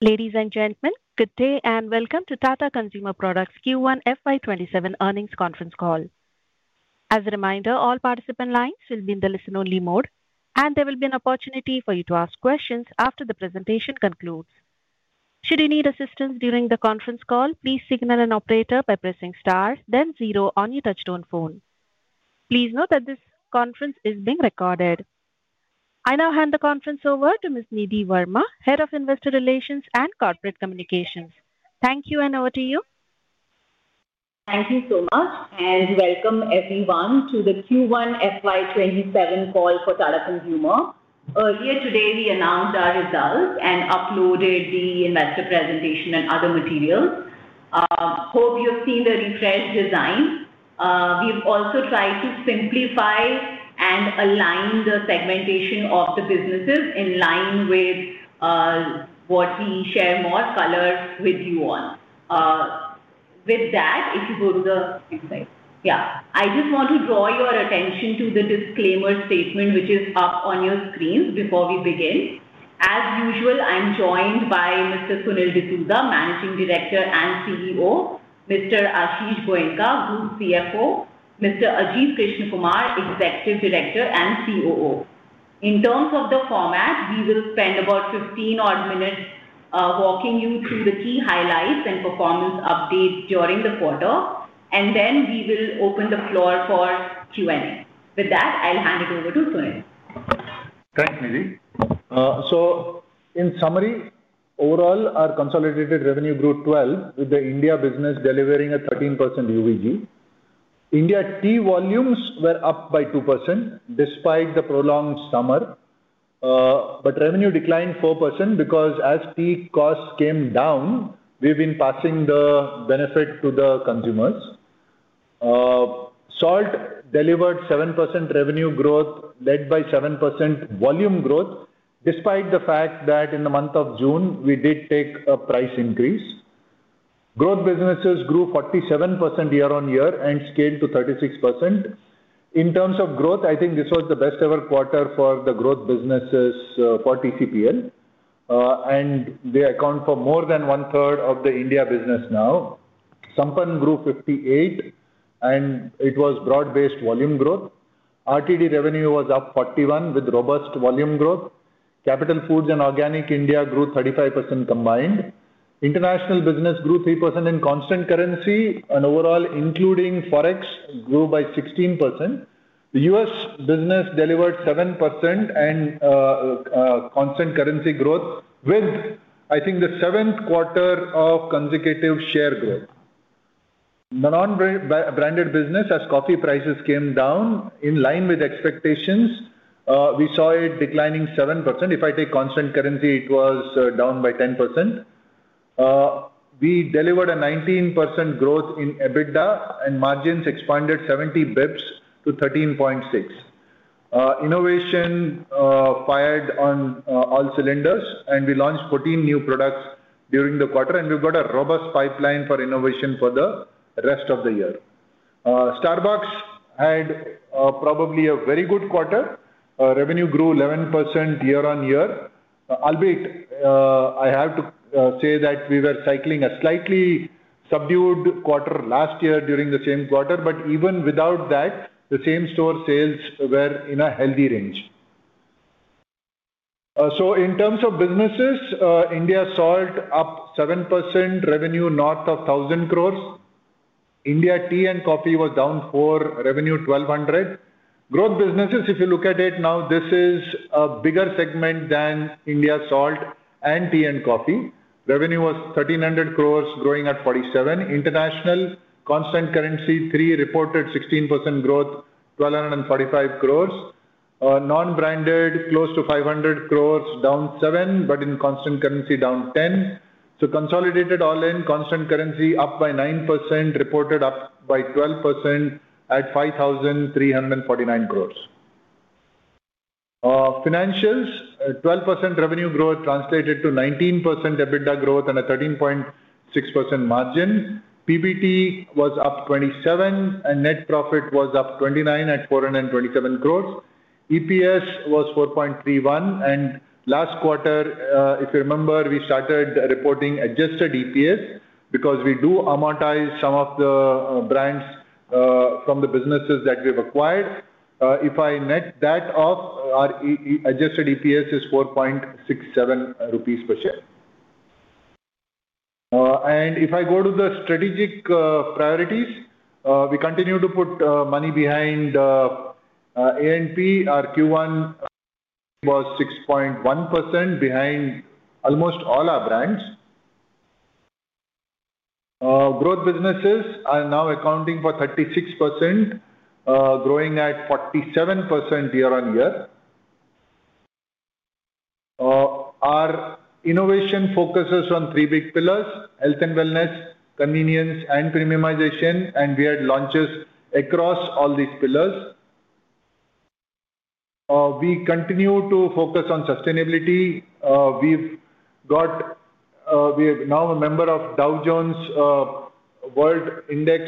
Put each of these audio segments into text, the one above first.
Ladies and gentlemen, good day and welcome to Tata Consumer Products Q1 FY 2027 Earnings Conference Call. As a reminder, all participant lines will be in the listen-only mode, and there will be an opportunity for you to ask questions after the presentation concludes. Should you need assistance during the conference call, please signal an operator by pressing star then zero on your touch-tone phone. Please note that this conference is being recorded. I now hand the conference over to Ms. Nidhi Verma, Head of Investor Relations and Corporate Communications. Thank you, and over to you. Thank you so much. Welcome everyone to the Q1 FY 2027 call for Tata Consumer. Earlier today, we announced our results and uploaded the investor presentation and other materials. Hope you have seen the refreshed design. We've also tried to simplify and align the segmentation of the businesses in line with what we share more color with you on. If you go to the next slide. I just want to draw your attention to the disclaimer statement, which is up on your screens before we begin. As usual, I'm joined by Mr. Sunil D'Souza, Managing Director and CEO, Mr. Ashish Goenka, Group CFO, Mr. Ajit Krishnakumar, Executive Director and COO. In terms of the format, we will spend about 15-odd minutes walking you through the key highlights and performance updates during the quarter, and then we will open the floor for Q&A. I'll hand it over to Sunil. Thanks, Nidhi. In summary, overall, our consolidated revenue grew 12%, with the India business delivering a 13% UVG. India tea volumes were up by 2% despite the prolonged summer. Revenue declined 4% because as tea costs came down, we've been passing the benefit to the consumers. Salt delivered 7% revenue growth, led by 7% volume growth, despite the fact that in the month of June, we did take a price increase. Growth businesses grew 47% year-on-year and scaled to 36%. In terms of growth, I think this was the best ever quarter for the growth businesses for TCPL. They account for more than one-third of the India business now. Sampann grew 58%, and it was broad-based volume growth. RTD revenue was up 41% with robust volume growth. Capital Foods and Organic India grew 35% combined. International business grew 3% in constant currency. Overall, including Forex, grew by 16%. The U.S. business delivered 7% in constant currency growth with, I think, the seventh quarter of consecutive share growth. The non-branded business, as coffee prices came down, in line with expectations, we saw it declining 7%. If I take constant currency, it was down by 10%. We delivered a 19% growth in EBITDA, and margins expanded 70 basis points to 13.6%. Innovation fired on all cylinders. We launched 14 new products during the quarter. We've got a robust pipeline for innovation for the rest of the year. Starbucks had probably a very good quarter. Revenue grew 11% year-over-year. Albeit, I have to say that we were cycling a slightly subdued quarter last year during the same quarter. Even without that, the same-store sales were in a healthy range. In terms of businesses, India Salt up 7% revenue north of 1,000 crores. India Tea and Coffee was down 4%, revenue 1,200 crore. Growth businesses, if you look at it now, this is a bigger segment than India Salt and Tea and Coffee. Revenue was 1,300 crores, growing at 47%. International constant currency 3% reported 16% growth, 1,245 crores. Non-branded, close to 500 crores, down 7%. In constant currency, down 10%. Consolidated all-in constant currency up by 9%, reported up by 12% at 5,349 crores. Financials. 12% revenue growth translated to 19% EBITDA growth and a 13.6% margin. PBT was up 27%. Net profit was up 29% at 427 crores. EPS was 4.31. Last quarter, if you remember, we started reporting adjusted EPS because we do amortize some of the brands from the businesses that we've acquired. If I net that off, our adjusted EPS is 4.67 rupees per share. If I go to the strategic priorities, we continue to put money behind A&P. Our Q1 was 6.1% behind almost all our brands. Growth businesses are now accounting for 36%, growing at 47% year-over-year. Our innovation focuses on three big pillars, health and wellness, convenience, and premiumization. We had launches across all these pillars. We continue to focus on sustainability. We are now a member of Dow Jones World Index,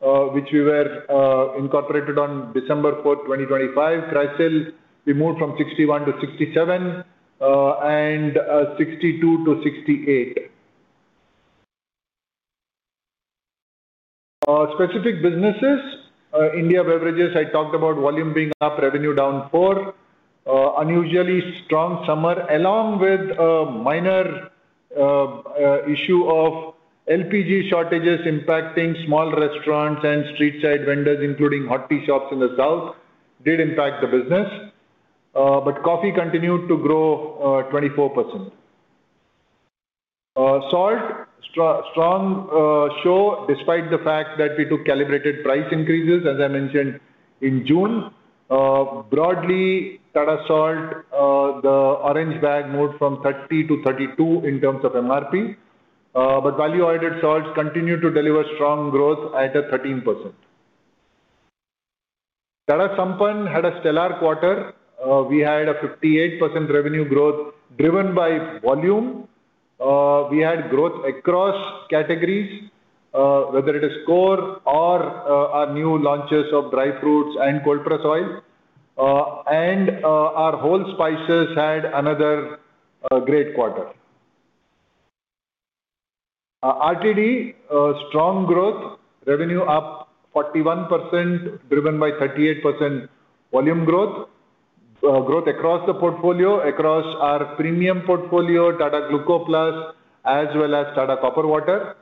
which we were incorporated on December 4, 2025. CRISIL moved from 61 to 67, and 62 to 68. Specific businesses. India Beverages, I talked about volume being up, revenue down 4%. Unusually strong summer, along with a minor issue of LPG shortages impacting small restaurants and streetside vendors, including hot tea shops in the south, did impact the business. Coffee continued to grow 24%. Salt. Strong show despite the fact that we took calibrated price increases, as I mentioned, in June. Broadly, Tata Salt, the orange bag moved from 30 to 32 in terms of MRP. Value-added salts continued to deliver strong growth at 13%. Tata Sampann had a stellar quarter. We had a 58% revenue growth driven by volume. We had growth across categories, whether it is core or our new launches of dry fruits and cold press oil. Our whole spices had another great quarter. RTD. Strong growth, revenue up 41%, driven by 38% volume growth. Growth across the portfolio, across our premium portfolio, Tata Gluco+, as well as Tata Copper water.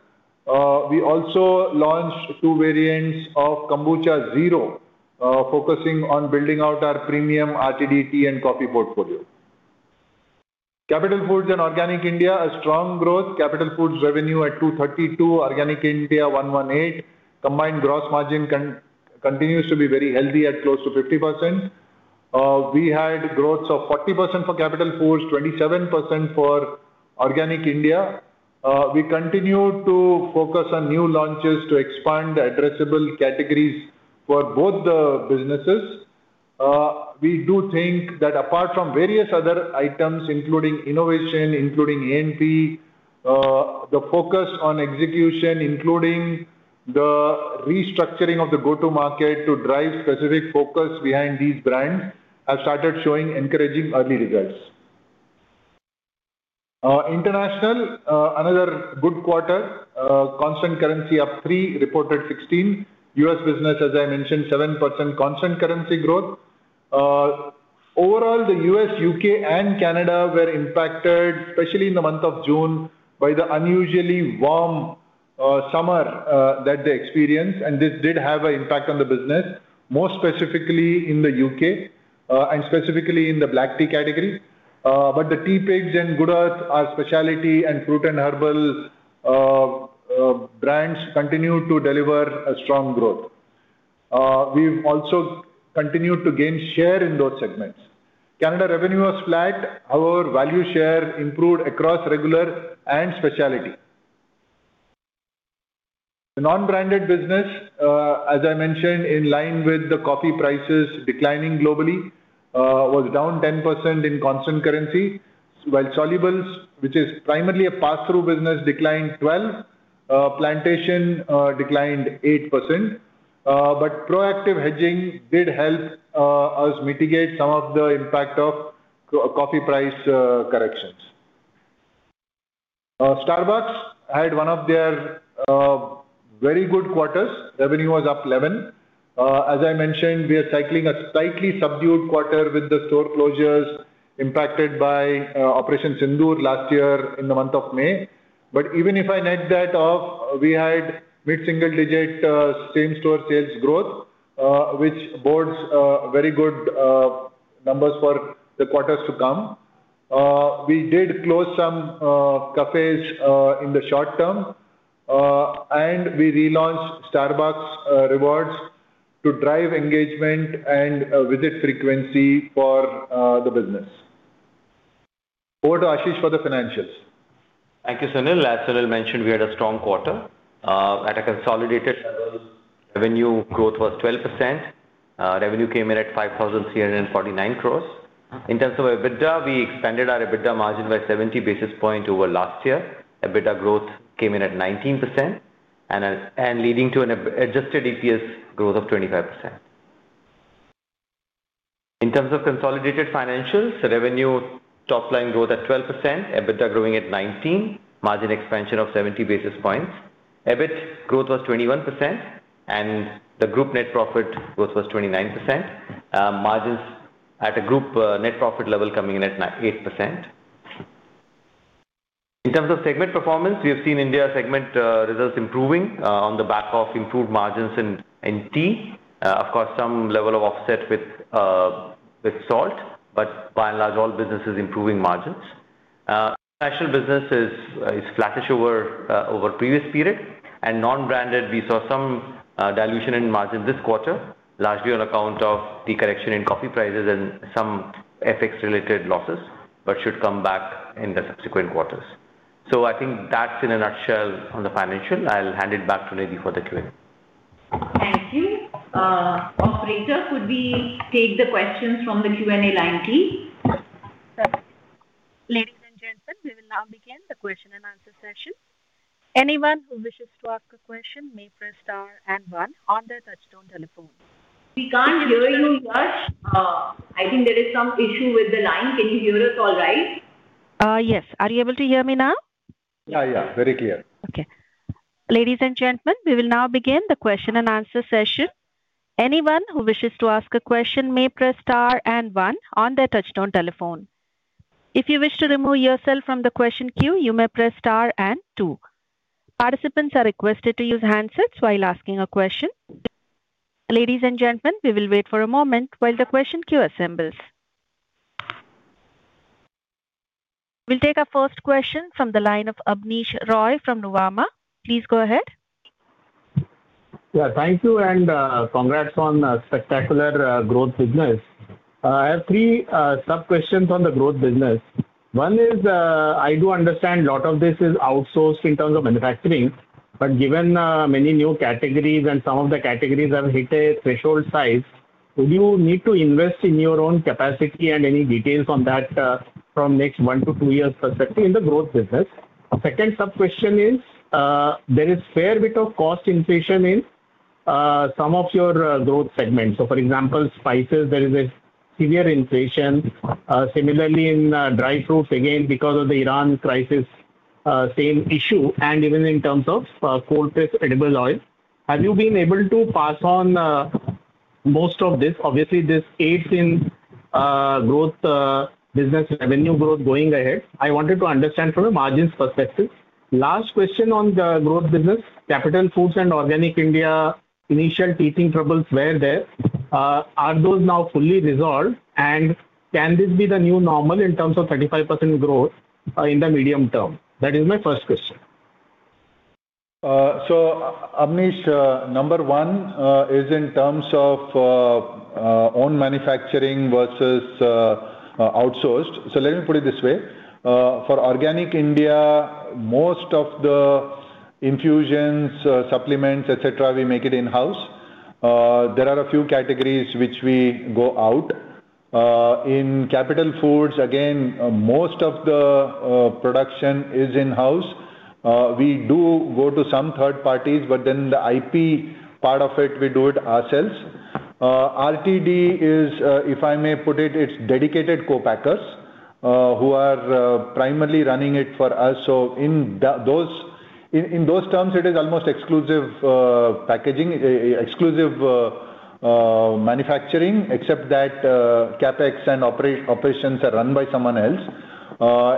We also launched two variants of Kombucha Zero, focusing on building out our premium RTD Tea and Coffee portfolio. Capital Foods and Organic India. A strong growth. Capital Foods revenue at 232 crore, Organic India 118 crore. Combined gross margin continues to be very healthy at close to 50%. We had growth of 40% for Capital Foods, 27% for Organic India. We continue to focus on new launches to expand the addressable categories for both the businesses. We do think that apart from various other items, including innovation, including A&P, the focus on execution, including the restructuring of the go-to market to drive specific focus behind these brands, have started showing encouraging early results. International, another good quarter. Constant currency up 3%, reported 16%. U.S. business, as I mentioned, 7% constant currency growth. Overall, the U.S., U.K., and Canada were impacted, especially in the month of June, by the unusually warm summer that they experienced. This did have an impact on the business, more specifically in the U.K., and specifically in the black tea category. The Teapigs and Good Earth, our specialty and fruit and herbal brands continue to deliver a strong growth. We've also continued to gain share in those segments. Canada revenue was flat. However, value share improved across regular and specialty. The non-branded business, as I mentioned, in line with the coffee prices declining globally, was down 10% in constant currency, while Solubles, which is primarily a pass-through business, declined 12%. Plantation declined 8%, but proactive hedging did help us mitigate some of the impact of coffee price corrections. Starbucks had one of their very good quarters. Revenue was up 11%. As I mentioned, we are cycling a slightly subdued quarter with the store closures impacted by Operation Sindoor last year in the month of May. Even if I net that off, we had mid-single digit same-store sales growth, which bodes very good numbers for the quarters to come. We did close some cafes in the short term, and we relaunched Starbucks Rewards to drive engagement and visit frequency for the business. Over to Ashish for the financials. Thank you, Sunil. As Sunil mentioned, we had a strong quarter. At a consolidated level, revenue growth was 12%. Revenue came in at 5,349 crores. In terms of EBITDA, we expanded our EBITDA margin by 70 basis points over last year. EBITDA growth came in at 19%, and leading to an adjusted EPS growth of 25%. In terms of consolidated financials, revenue top line growth at 12%, EBITDA growing at 19%, margin expansion of 70 basis points. EBIT growth was 21%, and the group net profit growth was 29%. Margins at a group net profit level coming in at 8%. In terms of segment performance, we have seen India segment results improving on the back of improved margins in tea. Of course, some level of offset with salt, but by and large, all businesses improving margins. International business is flattish over previous period. Non-branded, we saw some dilution in margin this quarter, largely on account of the correction in coffee prices and some FX-related losses, but should come back in the subsequent quarters. I think that's in a nutshell on the financial. I'll hand it back to Nidhi for the Q&A. Thank you. Operator, could we take the questions from the Q&A line, please? The question and answer session. Anyone who wishes to ask a question may press star and one on their touch-tone telephone. We can't hear you, Harsh. I think there is some issue with the line. Can you hear us all right? Yes. Are you able to hear me now? Yeah. Very clear. Okay. Ladies and gentlemen, we will now begin the question and answer session. Anyone who wishes to ask a question may press star and one on their touch-tone telephone. If you wish to remove yourself from the question queue, you may press star and two. Participants are requested to use handsets while asking a question. Ladies and gentlemen, we will wait for a moment while the question queue assembles. We will take our first question from the line of Abneesh Roy from Nuvama. Please go ahead. Yeah. Thank you. Congrats on a spectacular growth business. I have three sub-questions on the growth business. One is, I do understand a lot of this is outsourced in terms of manufacturing. Given many new categories and some of the categories have hit a threshold size, will you need to invest in your own capacity and any details on that from next one to two years perspective in the growth business? A second sub-question is, there is fair bit of cost inflation in some of your growth segments. For example, spices, there is a severe inflation. Similarly, in dry fruits, again, because of the Iran crisis, same issue, and even in terms of cold-pressed edible oil. Have you been able to pass on most of this? Obviously, this aids in growth business revenue growth going ahead. I wanted to understand from a margins perspective. Last question on the growth business, Capital Foods and Organic India, initial teething troubles were there. Are those now fully resolved, and can this be the new normal in terms of 35% growth in the medium term? That is my first question. Abneesh, number one is in terms of own manufacturing versus outsourced. Let me put it this way. For Organic India, most of the infusions, supplements, et cetera, we make it in-house. There are a few categories which we go out. In Capital Foods, again, most of the production is in-house. We do go to some third parties, but then the IP part of it, we do it ourselves. RTD is, if I may put it's dedicated co-packers who are primarily running it for us. In those terms, it is almost exclusive manufacturing, except that CapEx and operations are run by someone else.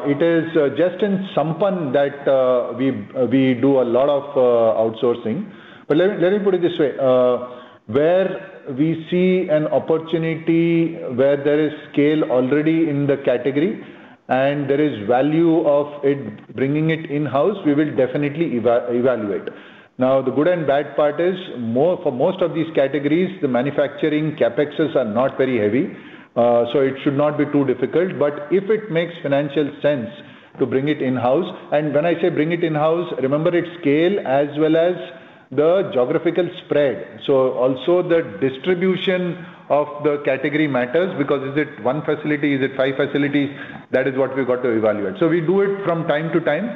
It is just in Sampann that we do a lot of outsourcing. Let me put it this way. Where we see an opportunity where there is scale already in the category and there is value of it bringing it in-house, we will definitely evaluate. The good and bad part is, for most of these categories, the manufacturing CapExes are not very heavy. It should not be too difficult. If it makes financial sense to bring it in-house, and when I say bring it in-house, remember it's scale as well as the geographical spread. Also the distribution of the category matters because is it one facility? Is it five facilities? That is what we've got to evaluate. We do it from time to time.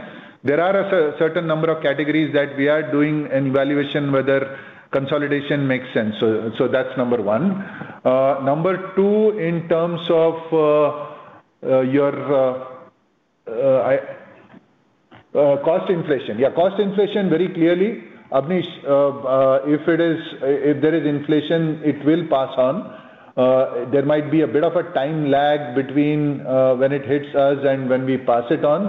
There are a certain number of categories that we are doing an evaluation whether consolidation makes sense. That's number one. Number two, in terms of your cost inflation. Cost inflation very clearly. Abneesh, if there is inflation, it will pass on. There might be a bit of a time lag between when it hits us and when we pass it on.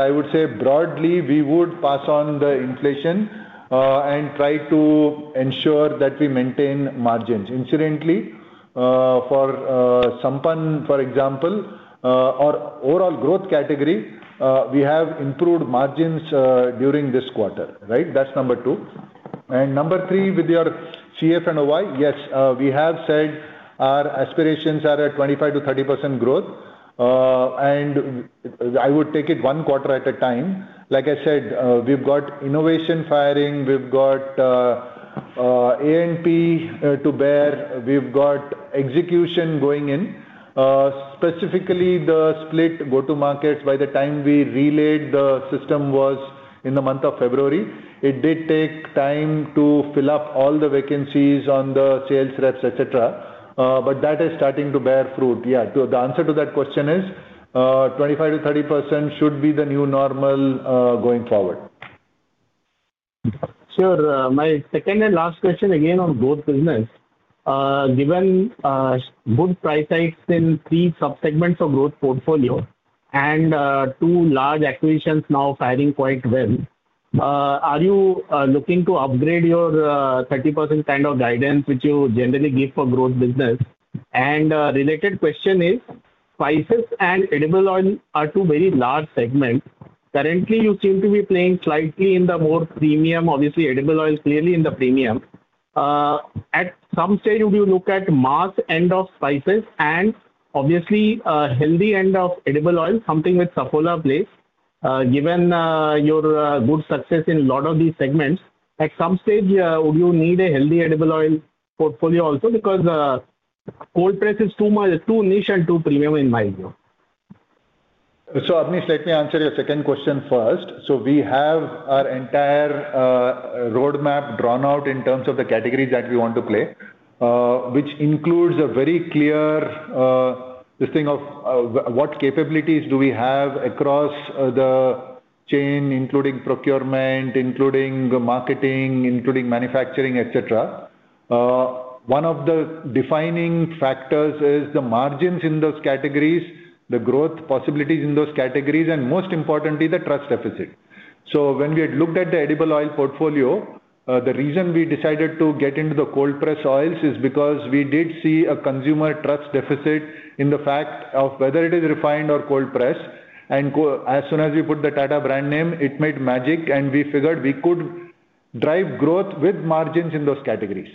I would say broadly, we would pass on the inflation and try to ensure that we maintain margins. Incidentally, for Sampann, for example, our overall growth category, we have improved margins during this quarter, right? That's number two. Number three, with your CF and OI, yes, we have said our aspirations are at 25%-30% growth. I would take it one quarter at a time. Like I said, we've got innovation firing, we've got A&P to bear, we've got execution going in. Specifically the split go-to-markets by the time we relayed the system was in the month of February. It did take time to fill up all the vacancies on the sales reps, et cetera. That is starting to bear fruit. Yeah, the answer to that question is, 25%-30% should be the new normal going forward. Sure. My second and last question again on growth business. Given good price hikes in three sub-segments of growth portfolio and two large acquisitions now firing quite well, are you looking to upgrade your 30% kind of guidance, which you generally give for growth business? A related question is, spices and edible oil are two very large segments. Currently, you seem to be playing slightly in the more premium, obviously edible oil is clearly in the premium. At some stage, would you look at mass end of spices and obviously, healthy end of edible oil, something which Saffola plays. Given your good success in a lot of these segments, at some stage, would you need a healthy edible oil portfolio also because cold press is too niche and too premium in my view. Abneesh, let me answer your second question first. We have our entire roadmap drawn out in terms of the categories that we want to play, which includes a very clear listing of what capabilities do we have across the chain, including procurement, including marketing, including manufacturing, et cetera. One of the defining factors is the margins in those categories, the growth possibilities in those categories, and most importantly, the trust deficit. When we had looked at the edible oil portfolio, the reason we decided to get into the cold press oils is because we did see a consumer trust deficit in the fact of whether it is refined or cold pressed. As soon as we put the Tata brand name, it made magic, and we figured we could drive growth with margins in those categories.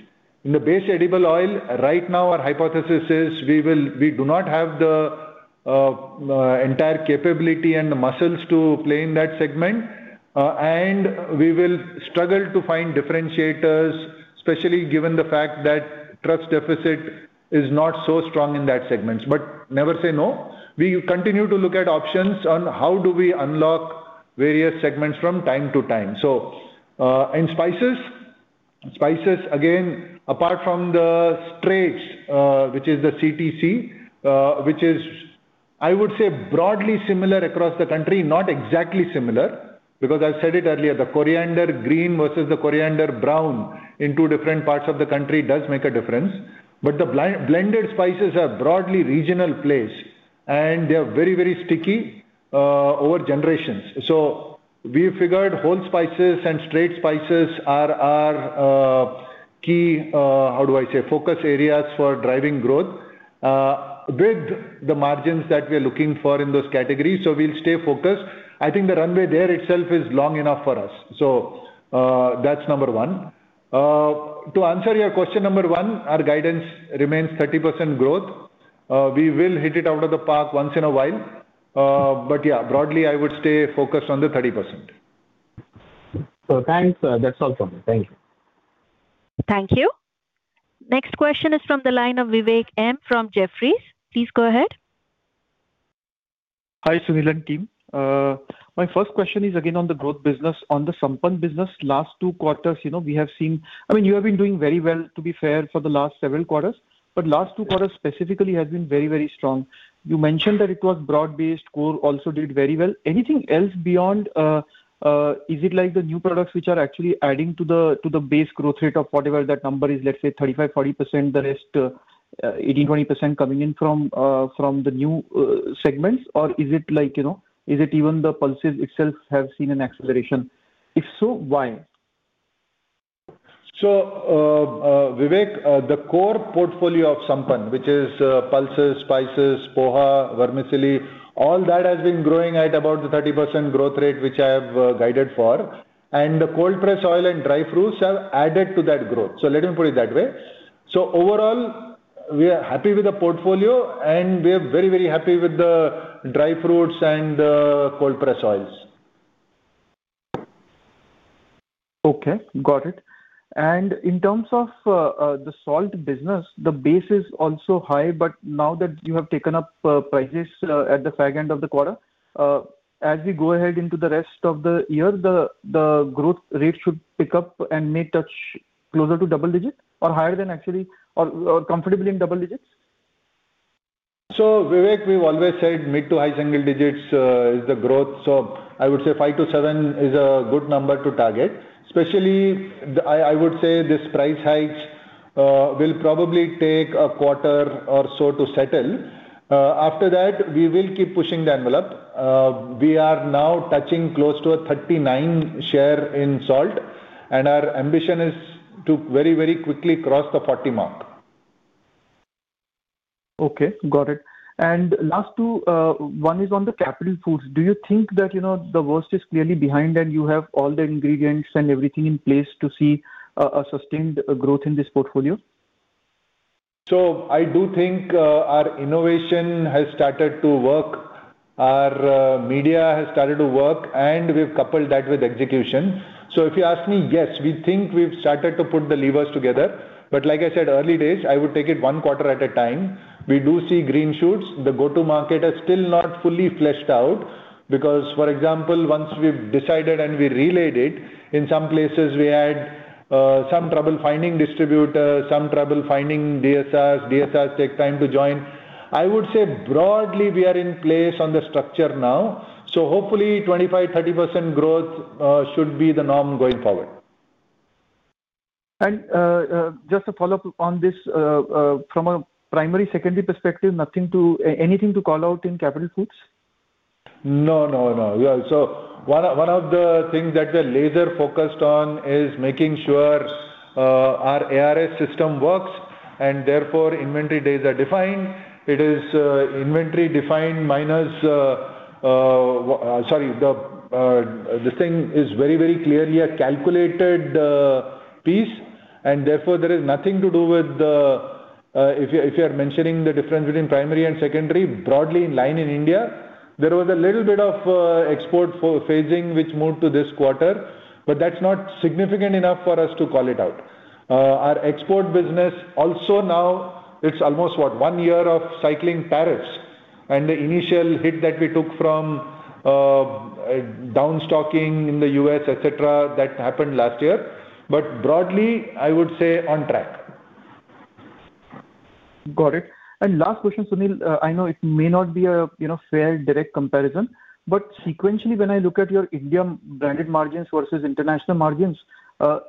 In the base edible oil, right now our hypothesis is we do not have the entire capability and the muscles to play in that segment. We will struggle to find differentiators, especially given the fact that trust deficit is not so strong in that segment. Never say no. We continue to look at options on how do we unlock various segments from time to time. In spices, again, apart from the straights, which is the CTC, which is, I would say, broadly similar across the country, not exactly similar, because I've said it earlier, the coriander green versus the coriander brown in two different parts of the country does make a difference. The blended spices are broadly regional place, and they are very sticky over generations. We figured whole spices and straight spices are our key, how do I say, focus areas for driving growth with the margins that we are looking for in those categories. We will stay focused. I think the runway there itself is long enough for us. That is number one. To answer your question number one, our guidance remains 30% growth. We will hit it out of the park once in a while. Yeah, broadly, I would stay focused on the 30%. Thanks. That is all from me. Thank you. Thank you. Next question is from the line of Vivek M. from Jefferies. Please go ahead. Hi, Sunil and team. My first question is again on the growth business, on the Sampann business. Last two quarters, we have seen. You have been doing very well, to be fair, for the last several quarters, but last two quarters specifically has been very strong. You mentioned that it was broad-based, core also did very well. Anything else beyond, is it like the new products which are actually adding to the base growth rate of whatever that number is, let us say 35%-40%, the rest 18%-20% coming in from the new segments? Or is it even the pulses itself have seen an acceleration? If so, why? Vivek, the core portfolio of Sampann, which is pulses, spices, poha, vermicelli, all that has been growing at about the 30% growth rate, which I have guided for, and the cold press oil and dry fruits have added to that growth. Let me put it that way. Overall, we are happy with the portfolio, and we are very happy with the dry fruits and the cold press oils. Okay, got it. In terms of the salt business, the base is also high, now that you have taken up prices at the far end of the quarter, as we go ahead into the rest of the year, the growth rate should pick up and may touch closer to double-digit or higher than or comfortably in double digits? Vivek, we've always said mid to high single digits is the growth. I would say five to seven is a good number to target. Especially, I would say this price hike will probably take a quarter or so to settle. After that, we will keep pushing the envelope. We are now touching close to a 39% share in salt, and our ambition is to very quickly cross the 40% mark. Okay, got it. Last two, one is on the Capital Foods. Do you think that the worst is clearly behind and you have all the ingredients and everything in place to see a sustained growth in this portfolio? I do think our innovation has started to work, our media has started to work, and we've coupled that with execution. If you ask me, yes, we think we've started to put the levers together. Like I said, early days, I would take it one quarter at a time. We do see green shoots. The go-to market are still not fully fleshed out because, for example, once we've decided and we relayed it, in some places, we had some trouble finding distributors, some trouble finding DSRs. DSRs take time to join. I would say broadly, we are in place on the structure now. Hopefully 25%-30% growth should be the norm going forward. Just a follow-up on this, from a primary, secondary perspective, anything to call out in Capital Foods? No. One of the things that we're laser-focused on is making sure our ARS system works, and therefore, inventory days are defined. It is inventory defined minus. This thing is very clearly a calculated piece, and therefore, there is nothing to do with the. If you're mentioning the difference between primary and secondary, broadly in line in India. There was a little bit of export phasing which moved to this quarter, but that's not significant enough for us to call it out. Our export business also now it's almost one year of cycling tariffs, and the initial hit that we took from down stocking in the U.S., et cetera, that happened last year. Broadly, I would say on track. Got it. Last question, Sunil. I know it may not be a fair direct comparison, sequentially, when I look at your India branded margins versus international margins,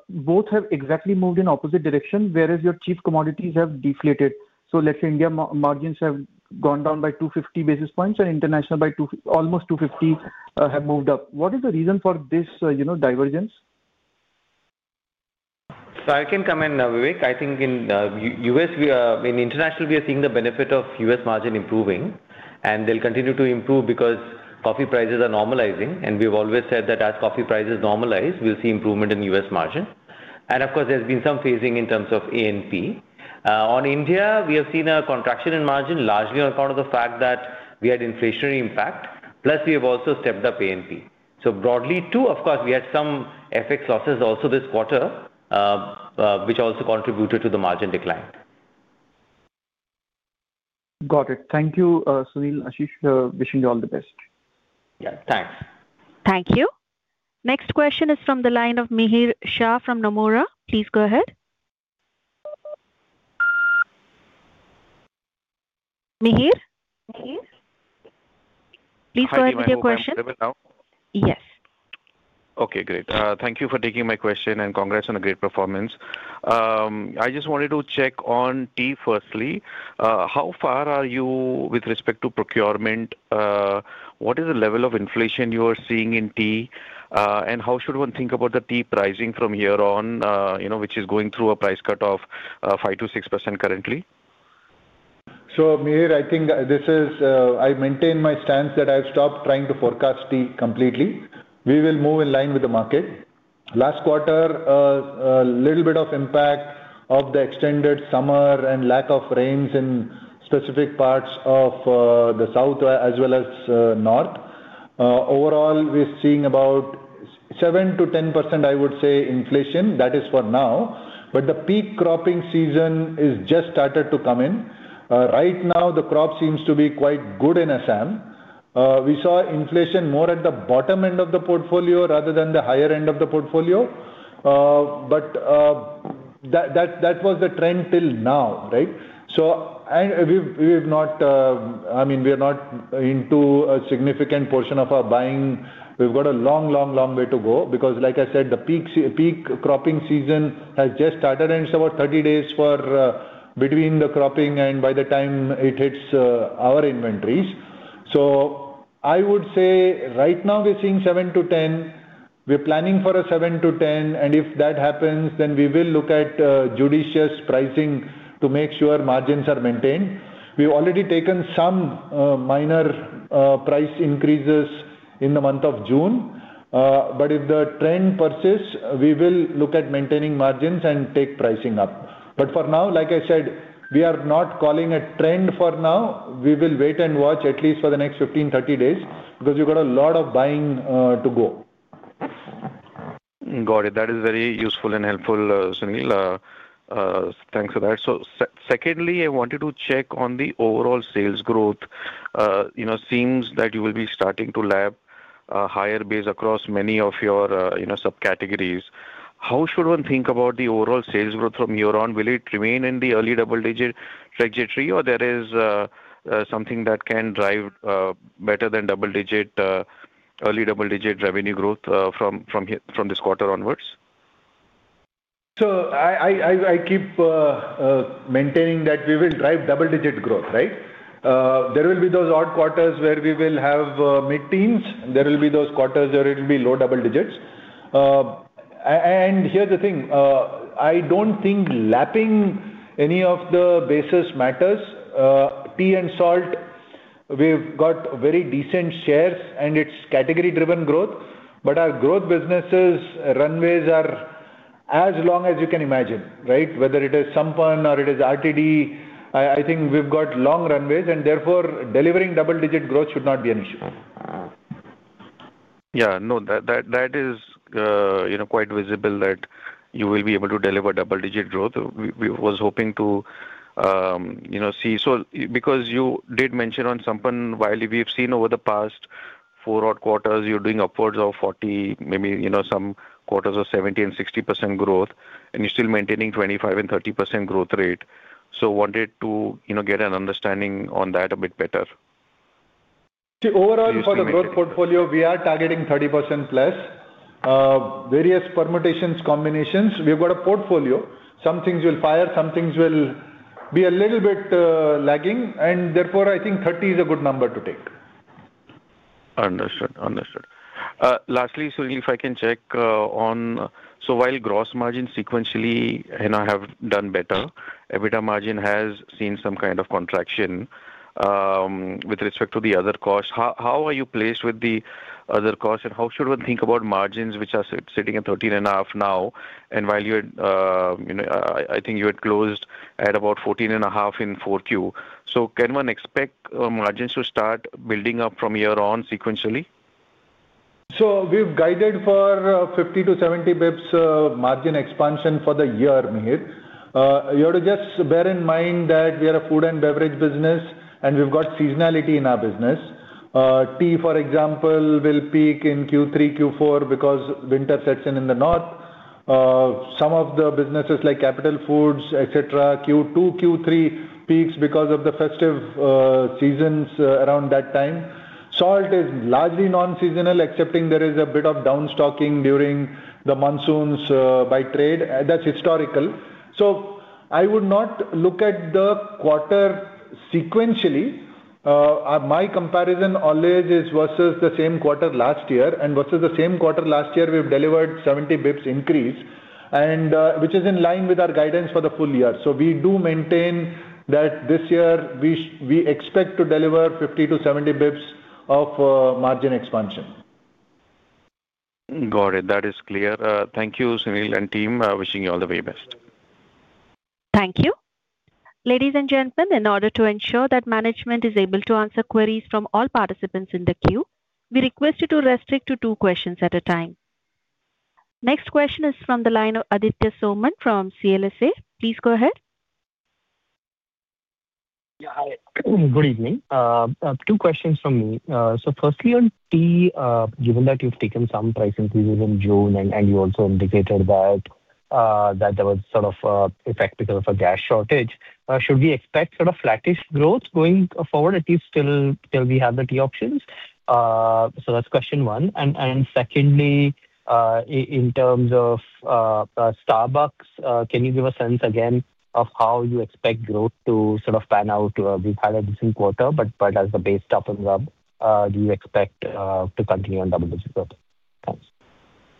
both have exactly moved in opposite direction, whereas your chief commodities have deflated. Let's say India margins have gone down by 250 basis points and international by almost 250 have moved up. What is the reason for this divergence? I can comment now, Vivek. I think in U.S. In international, we are seeing the benefit of U.S. margin improving. They'll continue to improve because coffee prices are normalizing. We've always said that as coffee prices normalize, we'll see improvement in U.S. margin. Of course, there's been some phasing in terms of A&P. On India, we have seen a contraction in margin largely on account of the fact that we had inflationary impact. Plus, we have also stepped up A&P. Broadly, too, of course, we had some FX losses also this quarter, which also contributed to the margin decline. Got it. Thank you, Sunil, Ashish. Wishing you all the best. Yeah, thanks. Thank you. Next question is from the line of Mihir Shah from Nomura. Please go ahead. Mihir? Please go ahead with your question. Hi. I hope I am clear now. Yes. Okay, great. Thank you for taking my question, and congrats on a great performance. I just wanted to check on tea firstly. How far are you with respect to procurement? What is the level of inflation you are seeing in tea? How should one think about the tea pricing from here on, which is going through a price cut of 5%-6% currently? Mihir, I think I maintain my stance that I've stopped trying to forecast tea completely. We will move in line with the market. Last quarter, a little bit of impact of the extended summer and lack of rains in specific parts of the south as well as north. Overall, we're seeing about 7%-10%, I would say, inflation. That is for now. The peak cropping season is just started to come in. Right now, the crop seems to be quite good in Assam. We saw inflation more at the bottom end of the portfolio rather than the higher end of the portfolio. That was the trend till now, right? We're not into a significant portion of our buying. We've got a long way to go, because like I said, the peak cropping season has just started, and it's about 30 days between the cropping and by the time it hits our inventories. I would say right now we're seeing 7%-10%. We're planning for a 7%-10%. If that happens, we will look at judicious pricing to make sure margins are maintained. We've already taken some minor price increases in the month of June. If the trend persists, we will look at maintaining margins and take pricing up. For now, like I said, we are not calling a trend for now. We will wait and watch at least for the next 15, 30 days because you've got a lot of buying to go. Got it. That is very useful and helpful, Sunil. Thanks for that. Secondly, I wanted to check on the overall sales growth. Seems that you will be starting to lap a higher base across many of your subcategories. How should one think about the overall sales growth from year on? Will it remain in the early double-digit trajectory or there is something that can drive better than early double-digit revenue growth from this quarter onwards? I keep maintaining that we will drive double-digit growth, right? There will be those odd quarters where we will have mid-teens, and there will be those quarters where it will be low double digits. Here's the thing, I don't think lapping any of the bases matters. Tea and salt, we've got very decent shares, and it's category-driven growth. Our growth businesses runways are as long as you can imagine, right? Whether it is Sampann or it is RTD, I think we've got long runways and therefore delivering double-digit growth should not be an issue. That is quite visible that you will be able to deliver double-digit growth. We was hoping to see, because you did mention on Sampann, while we've seen over the past four odd quarters, you're doing upwards of 40% maybe some quarters of 70% and 60% growth, and you're still maintaining 25% and 30% growth rate. We wanted to get an understanding on that a bit better. Overall for the growth portfolio, we are targeting 30%+. Various permutations, combinations. We've got a portfolio. Some things will fire, some things will be a little bit lagging, therefore I think 30% is a good number to take. Understood. Lastly, Sunil, if I can check on, while gross margin sequentially and have done better, EBITDA margin has seen some kind of contraction. With respect to the other costs, how are you placed with the other costs and how should one think about margins which are sitting at 13.5% now and while I think you had closed at about 14.5% in Q4. Can one expect margins to start building up from year on sequentially? We've guided for 50-70 bps margin expansion for the year, Mihir. You have to just bear in mind that we are a food and beverage business, and we've got seasonality in our business. Tea, for example, will peak in Q3, Q4 because winter sets in in the north. Some of the businesses like Capital Foods, et cetera, Q2, Q3 peaks because of the festive seasons around that time. Salt is largely non-seasonal, excepting there is a bit of down stocking during the monsoons by trade. That's historical. I would not look at the quarter sequentially. My comparison always is versus the same quarter last year, and versus the same quarter last year, we've delivered 70 bps increase, which is in line with our guidance for the full year. We do maintain that this year we expect to deliver 50-70 bps of margin expansion. Got it. That is clear. Thank you, Sunil and team. Wishing you all the very best. Thank you. Ladies and gentlemen, in order to ensure that management is able to answer queries from all participants in the queue, we request you to restrict to two questions at a time. Next question is from the line of Aditya Soman from CLSA. Please go ahead. Yeah, hi. Good evening. Two questions from me. Firstly, on tea, given that you've taken some price increases in June, and you also indicated that there was a effect because of a gas shortage, should we expect sort of flattish growth going forward, at least till we have the tea options? That's question one. Secondly, in terms of Starbucks, can you give a sense again of how you expect growth to sort of pan out? We've had a decent quarter, but as the base toughens up, do you expect to continue on double-digit growth? Thanks.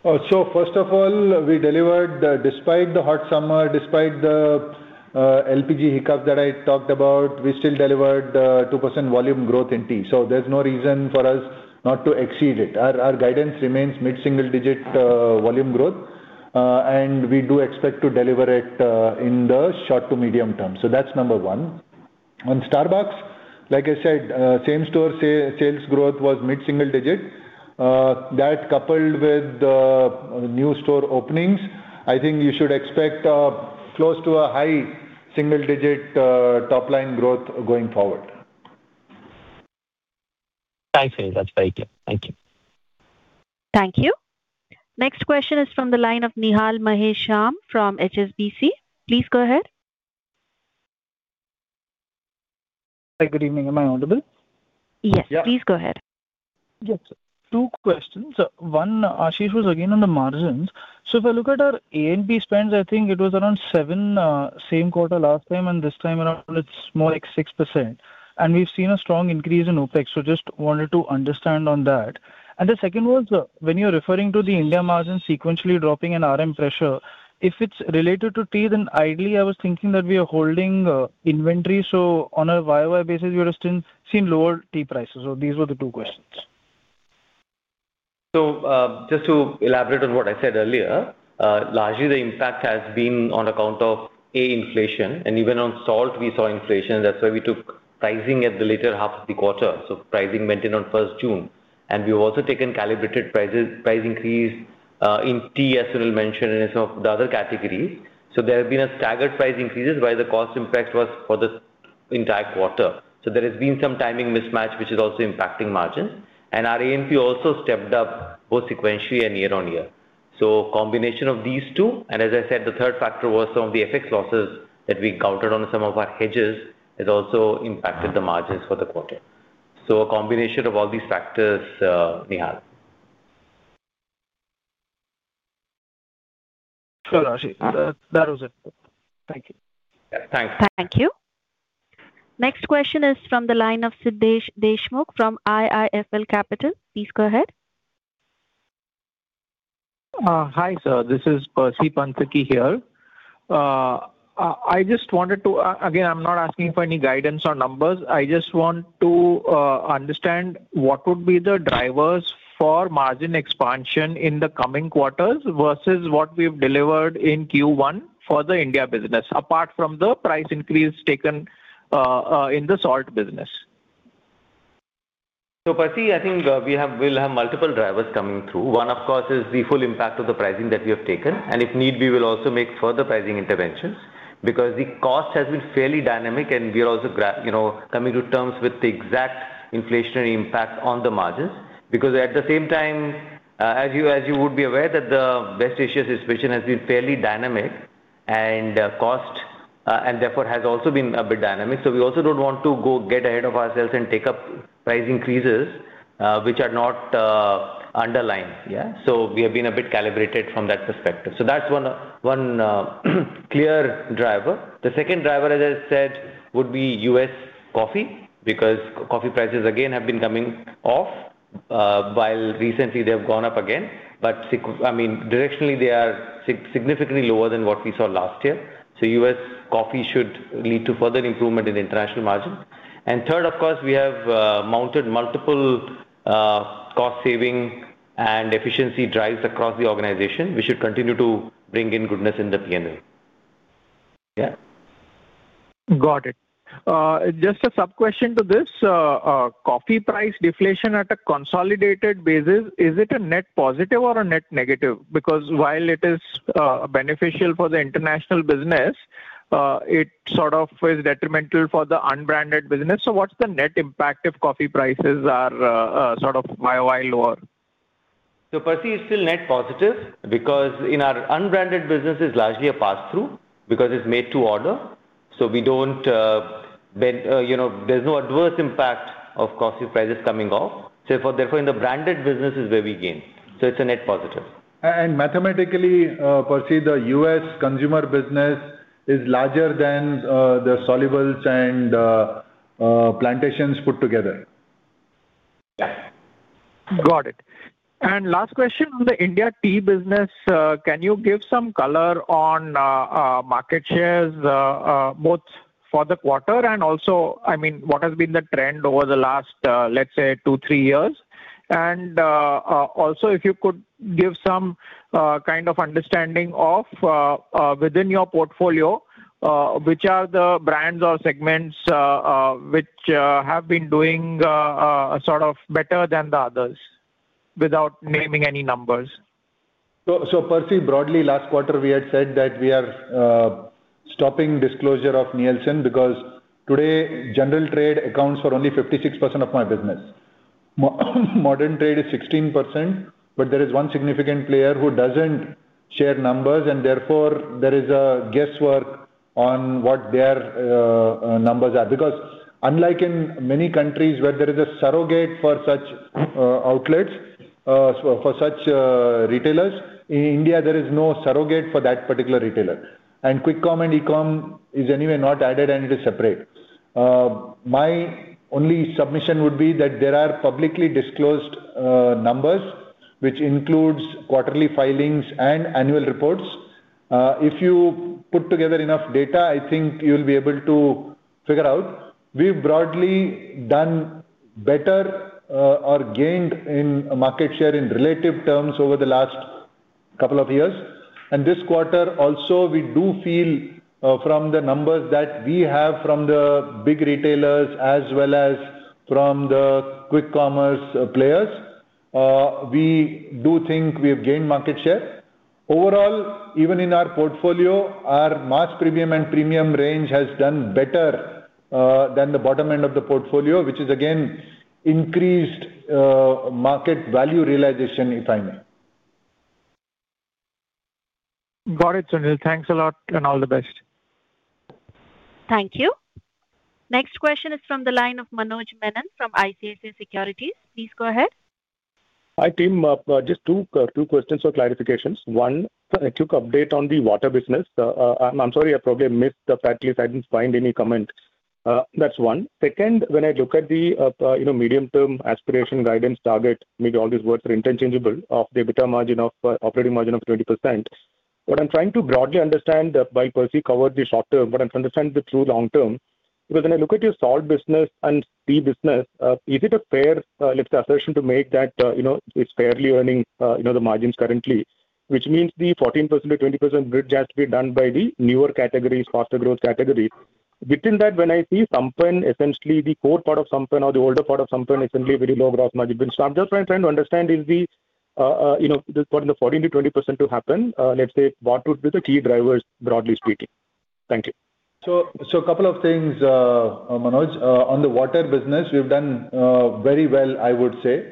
First of all, despite the hot summer, despite the LPG hiccup that I talked about, we still delivered 2% volume growth in tea, so there's no reason for us not to exceed it. Our guidance remains mid-single digit volume growth, and we do expect to deliver it in the short to medium term. That's number one. On Starbucks, like I said, same-store sales growth was mid-single digit. That coupled with new store openings, I think you should expect close to a high single digit top-line growth going forward. Thanks, Sunil. That's very clear. Thank you. Thank you. Next question is from the line of Nihal Mahesh Jham from HSBC. Please go ahead. Hi. Good evening. Am I audible? Yes. Yeah. Please go ahead. Yes. Two questions. One, Ashish, was again on the margins. If I look at our A&P spends, I think it was around seven same quarter last time, and this time around it's more like 6%. We've seen a strong increase in OpEx, just wanted to understand on that. The second was, when you're referring to the India margin sequentially dropping and RM pressure, if it's related to tea, then ideally I was thinking that we are holding inventory, on a YoY basis, we would've seen lower tea prices. These were the two questions. Just to elaborate on what I said earlier. Largely the impact has been on account of, A, inflation, even on salt we saw inflation. That's why we took pricing at the latter half of the quarter. Pricing maintained on first June. We've also taken calibrated price increase in tea, as Sunil mentioned, in some of the other categories. There have been staggered price increases while the cost impact was for the entire quarter. There has been some timing mismatch, which is also impacting margins. Our A&P also stepped up both sequentially and year-on-year. Combination of these two, as I said, the third factor was some of the FX losses that we countered on some of our hedges has also impacted the margins for the quarter. A combination of all these factors, Nihal. Sure, Ashish. That was it. Thank you. Thanks. Thank you. Next question is from the line of Siddhesh Deshmukh from IIFL Capital. Please go ahead. Hi, sir, this is Percy Panthaki here. Again, I'm not asking for any guidance or numbers. I just want to understand what would be the drivers for margin expansion in the coming quarters versus what we've delivered in Q1 for the India business, apart from the price increase taken in the salt business. Percy, I think we'll have multiple drivers coming through. One, of course, is the full impact of the pricing that we have taken. If need be, we'll also make further pricing interventions because the cost has been fairly dynamic and we are also coming to terms with the exact inflationary impact on the margins. Because at the same time, as you would be aware, that the West Asia situation has been fairly dynamic, and therefore has also been a bit dynamic. We also don't want to go get ahead of ourselves and take up price increases, which are not underlined. Yeah. We have been a bit calibrated from that perspective. That's one clear driver. The second driver, as I said, would be U.S. coffee, because coffee prices again have been coming off. While recently they've gone up again, directionally they are significantly lower than what we saw last year. U.S. coffee should lead to further improvement in international margin. Third, of course, we have mounted multiple cost saving and efficiency drives across the organization. We should continue to bring in goodness in the P&L. Got it. Just a sub question to this. Coffee price deflation at a consolidated basis, is it a net positive or a net negative? While it is beneficial for the international business, it sort of is detrimental for the unbranded business. What's the net impact if coffee prices are sort of YoY lower? Percy, it's still net positive because in our unbranded business is largely a pass through because it's made to order. There's no adverse impact of coffee prices coming off. Therefore, in the branded business is where we gain. It's a net positive. Mathematically, Percy, the U.S. consumer business is larger than the Solubles and Plantations put together. Got it. Last question on the India tea business. Can you give some color on market shares, both for the quarter and also what has been the trend over the last, let's say two, three years? Also if you could give some kind of understanding of, within your portfolio, which are the brands or segments which have been doing sort of better than the others? Without naming any numbers. Percy, broadly last quarter we had said that we are stopping disclosure of Nielsen because today general trade accounts for only 56% of my business. Modern trade is 16%, but there is one significant player who doesn't share numbers, and therefore there is a guesswork on what their numbers are. Because unlike in many countries where there is a surrogate for such outlets, for such retailers, in India, there is no surrogate for that particular retailer. And quick comm and e-comm is anyway not added, and it is separate. My only submission would be that there are publicly disclosed numbers, which includes quarterly filings and annual reports. If you put together enough data, I think you'll be able to figure out. We've broadly done better or gained in market share in relative terms over the last couple of years. This quarter also, we do feel from the numbers that we have from the big retailers as well as from the quick commerce players, we do think we have gained market share. Overall, even in our portfolio, our mass premium and premium range has done better than the bottom end of the portfolio, which is again increased market value realization, if I may. Got it, Sunil. Thanks a lot and all the best. Thank you. Next question is from the line of Manoj Menon from ICICI Securities. Please go ahead. Hi, team. Just two questions for clarifications. One, a quick update on the water business. I'm sorry, I probably missed the fact, at least I didn't find any comment. That's one. Second, when I look at the medium term aspiration, guidance, target, maybe all these words are interchangeable, of the EBITDA margin of operating margin of 20%. What I'm trying to broadly understand, while Percy covered the short term, I'm trying to understand the true long term, because when I look at your salt business and tea business, is it a fair, let's assertion to make that it's fairly earning the margins currently. Which means the 14%-20% bridge has to be done by the newer categories, faster growth category. Within that, when I see Sampann, essentially the core part of Sampann or the older part of Sampann essentially very low gross margin. I'm just trying to understand is the, for the 14%-20% to happen, let's say, what would be the key drivers, broadly speaking? Thank you. A couple of things, Manoj. On the water business, we've done very well, I would say.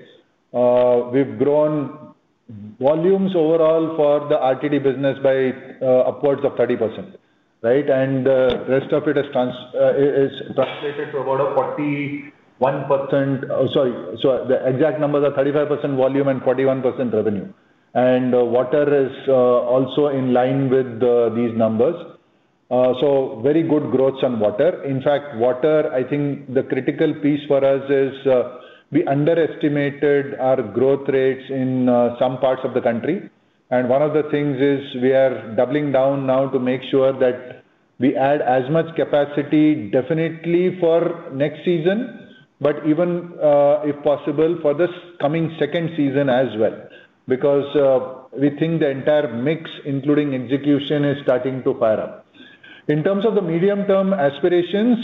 We've grown volumes overall for the RTD business by upwards of 30%. Right? The rest of it is translated to about a 41%, sorry. The exact numbers are 35% volume and 41% revenue. Water is also in line with these numbers. Very good growth on water. In fact, water, I think the critical piece for us is we underestimated our growth rates in some parts of the country. One of the things is we are doubling down now to make sure that we add as much capacity definitely for next season. Even, if possible, for this coming second season as well. We think the entire mix, including execution, is starting to fire up. In terms of the medium term aspirations,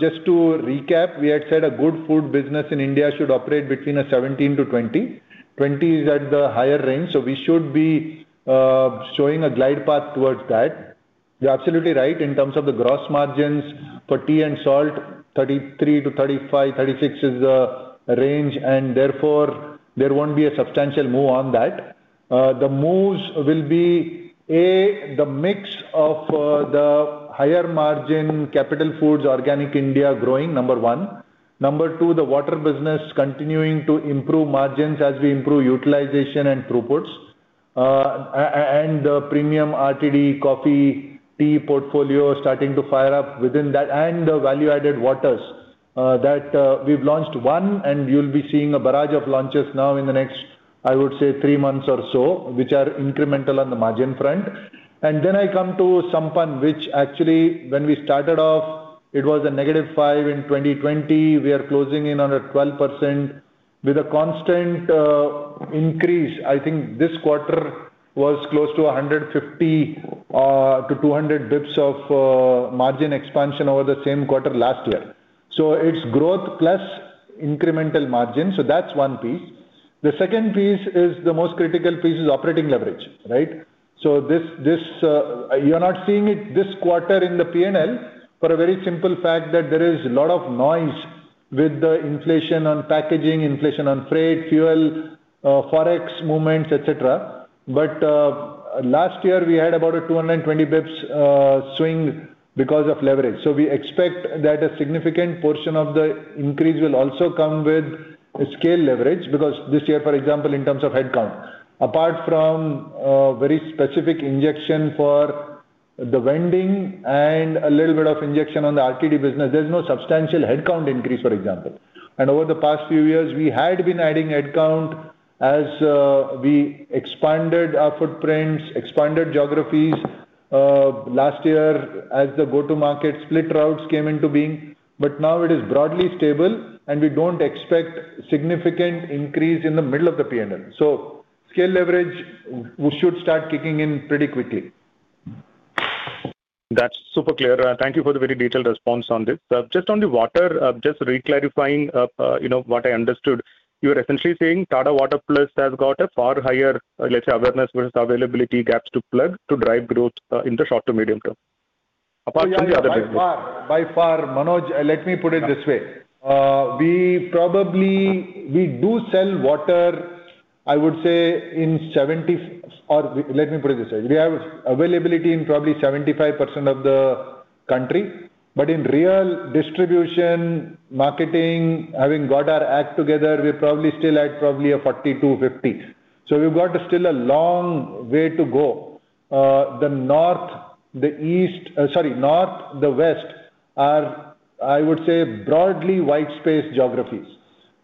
just to recap, we had said a good food business in India should operate between a 17%-20%. 20% is at the higher range, we should be showing a glide path towards that. You're absolutely right in terms of the gross margins for tea and salt, 33%-35%, 36% is the range, therefore there won't be a substantial move on that. The moves will be, A, the mix of the higher margin Capital Foods and Organic India growing, number one. Number two, the water business continuing to improve margins as we improve utilization and throughputs. The premium RTD coffee, tea portfolio starting to fire up within that, and the value-added waters. That we've launched one. You'll be seeing a barrage of launches now in the next, I would say three months or so, which are incremental on the margin front. I come to Sampann, which actually when we started off it was a negative five in 2020. We are closing in on a 12% with a constant increase. I think this quarter was close to 150-200 bps of margin expansion over the same quarter last year. It's growth plus incremental margin. The second piece is the most critical piece, is operating leverage. Right? You're not seeing it this quarter in the P&L for a very simple fact that there is a lot of noise with the inflation on packaging, inflation on freight, fuel, FX movements, et cetera. Last year we had about a 220 bps swing because of leverage. We expect that a significant portion of the increase will also come with scale leverage, because this year, for example, in terms of headcount, apart from a very specific injection for the vending and a little bit of injection on the RTD business, there's no substantial headcount increase, for example. Over the past few years, we had been adding headcount as we expanded our footprints, expanded geographies, last year as the go-to-market split routes came into being. Now it is broadly stable and we don't expect significant increase in the middle of the P&L. Scale leverage should start kicking in pretty quickly. That's super clear. Thank you for the very detailed response on this. Just on the water, just re-clarifying what I understood. You are essentially saying Tata Water Plus has got a far higher, let's say, awareness versus availability gaps to plug to drive growth in the short to medium term apart from the other business. By far. Manoj, let me put it this way. We do sell water, I would say. Or let me put it this way. We have availability in probably 75% of the country, but in real distribution, marketing, having got our act together, we're probably still at probably a 40%-50%. We've got still a long way to go. The North, the West are, I would say, broadly white space geographies.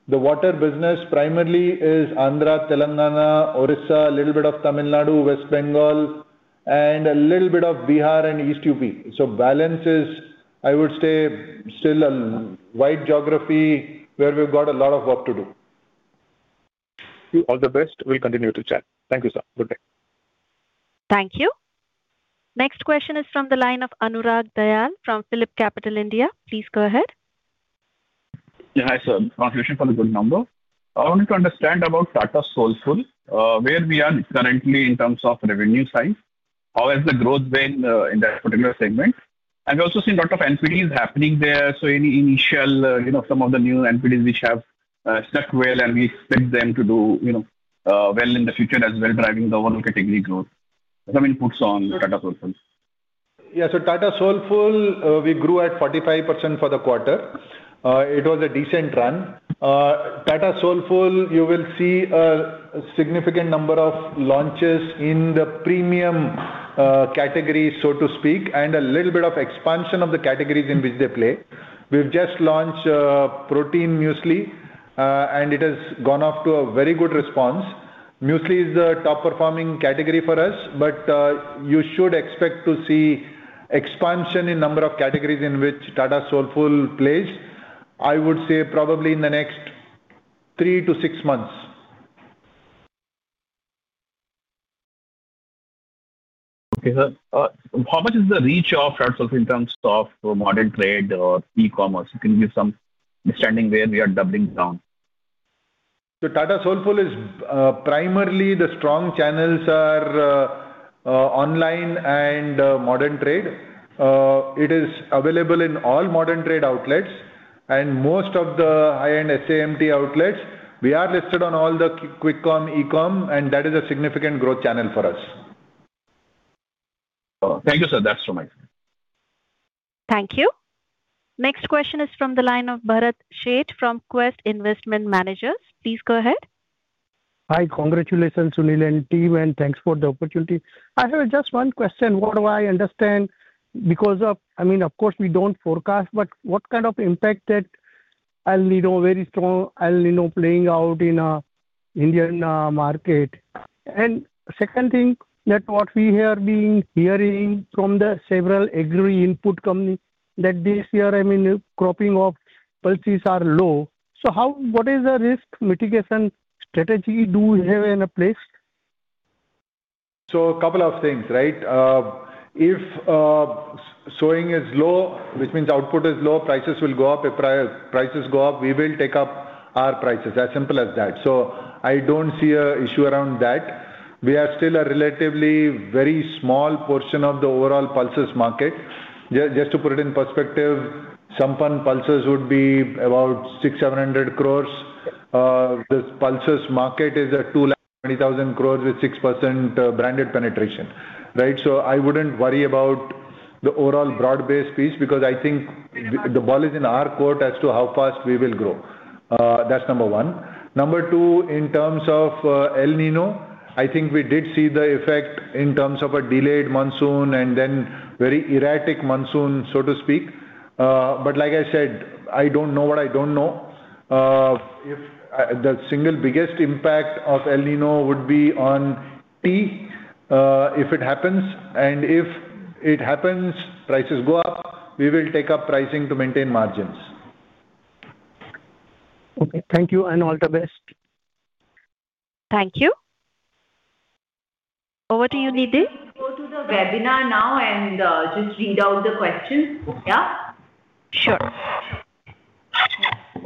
The water business primarily is Andhra, Telangana, Odisha, a little bit of Tamil Nadu, West Bengal, and a little bit of Bihar and East U.P. Balance is, I would say, still a wide geography where we've got a lot of work to do. All the best. We'll continue to chat. Thank you, sir. Good day. Thank you. Next question is from the line of Anurag Dayal from PhillipCapital India. Please go ahead. Hi, sir. Congratulations on the good number. I wanted to understand about Tata Soulfull, where we are currently in terms of revenue size, how has the growth been in that particular segment? I've also seen lot of NPDs happening there, any initial sum of the new NPDs which have stuck well, we expect them to do well in the future as well, driving the overall category growth. Some inputs on Tata Soulfull. Tata Soulfull, we grew at 45% for the quarter. It was a decent run. Tata Soulfull, you will see a significant number of launches in the premium category, so to speak, a little bit of expansion of the categories in which they play. We've just launched protein muesli, it has gone off to a very good response. Muesli is a top-performing category for us, you should expect to see expansion in number of categories in which Tata Soulfull plays, I would say probably in the next three to six months. Okay, sir. How much is the reach of Tata Soulfull in terms of modern trade or e-commerce? You can give some understanding where we are doubling down. Primarily the strong channels are online and modern trade. It is available in all modern trade outlets and most of the high-end SAMT outlets. We are listed on all the quick com, e-com, and that is a significant growth channel for us. Thank you, sir. That's from my side. Thank you. Next question is from the line of Bharat Sheth from Quest Investment Managers. Please go ahead. Hi. Congratulations, Sunil and team, and thanks for the opportunity. I have just one question. What do I understand, Of course we don't forecast, but what kind of impact that El Niño very strong, El Niño playing out in Indian market? Second thing that what we have been hearing from the several agri input company that this year, cropping of pulses are low. What is the risk mitigation strategy you do have in place? A couple of things, right? If sowing is low, which means output is low, prices will go up. If prices go up, we will take up our prices, as simple as that. I don't see a issue around that. We are still a relatively very small portion of the overall pulses market. Just to put it in perspective, Sampann Pulses would be about 600 crores-700 crores. This Pulses market is at 220,000 crores with 6% branded penetration, right? I wouldn't worry about the overall broad-based piece because I think the ball is in our court as to how fast we will grow. That's number one. Number two, in terms of El Niño, I think we did see the effect in terms of a delayed monsoon and then very erratic monsoon, so to speak. Like I said, I don't know what I don't know. The single biggest impact of El Niño would be on tea if it happens, prices go up, we will take up pricing to maintain margins. Okay. Thank you. All the best. Thank you. Over to you, Nidhi. I'll go to the webinar now and just read out the questions. Yeah? Sure.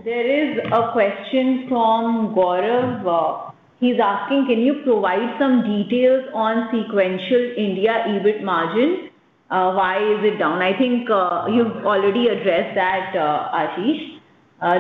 There is a question from Gaurav. He's asking: Can you provide some details on sequential India EBIT margin? Why is it down? I think you've already addressed that, Ashish.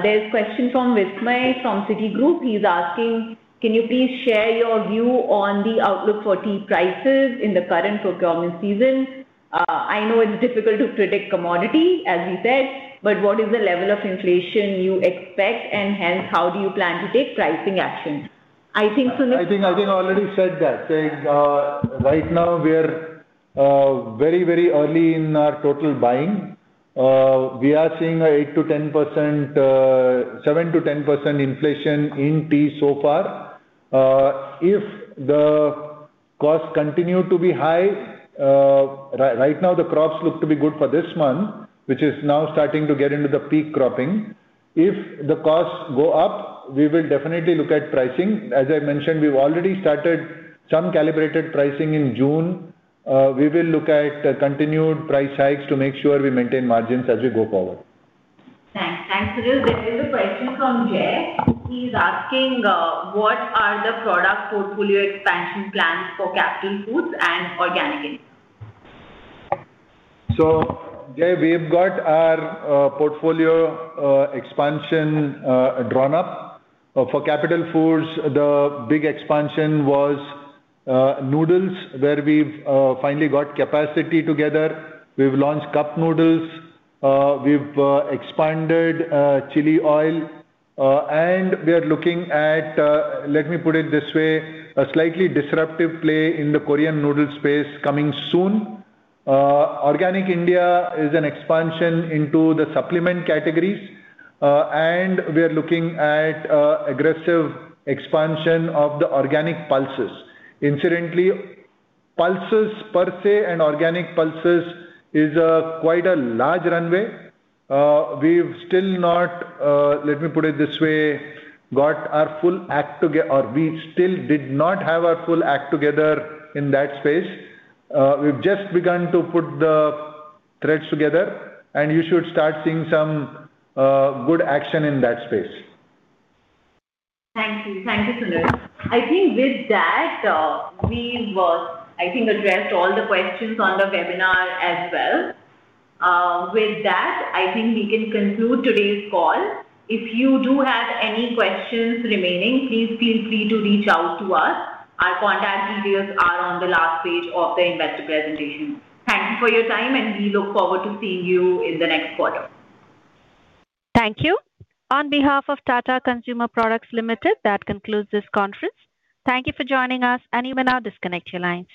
There's a question from Vismay from Citigroup. He's asking: Can you please share your view on the outlook for tea prices in the current procurement season? I know it's difficult to predict commodity, as you said, but what is the level of inflation you expect, and hence how do you plan to take pricing action? I think I already said that. Right now, we are very early in our total buying. We are seeing a seven to 10% inflation in tea so far. If the costs continue to be high, right now the crops look to be good for this month, which is now starting to get into the peak cropping. If the costs go up, we will definitely look at pricing. As I mentioned, we've already started some calibrated pricing in June. We will look at continued price hikes to make sure we maintain margins as we go forward. Thanks. Sunil, there is a question from Jai. He is asking: What are the product portfolio expansion plans for Capital Foods and Organic India? Jai, we've got our portfolio expansion drawn up. For Capital Foods, the big expansion was noodles, where we've finally got capacity together. We've launched cup noodles, we've expanded chili oil, and we are looking at, let me put it this way, a slightly disruptive play in the Korean noodle space coming soon. Organic India is an expansion into the supplement categories, and we are looking at aggressive expansion of the organic pulses. Incidentally, pulses per se, and organic pulses, is quite a large runway. We still did not have our full act together in that space. We've just begun to put the threads together, and you should start seeing some good action in that space. Thank you, Sunil. I think with that, we've addressed all the questions on the webinar as well. With that, I think we can conclude today's call. If you do have any questions remaining, please feel free to reach out to us. Our contact details are on the last page of the investor presentation. Thank you for your time, and we look forward to seeing you in the next quarter. Thank you. On behalf of Tata Consumer Products Limited, that concludes this conference. Thank you for joining us, and you may now disconnect your line.